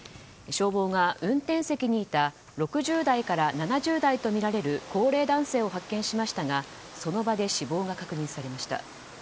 消防が運転席にいた６０代から７０代とみられる高齢男性を発見しましたがその場で死亡が確認されました。